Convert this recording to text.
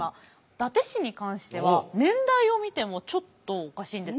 伊達市に関しては年代を見てもちょっとおかしいんです。